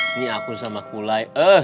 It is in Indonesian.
ini aku sama kulai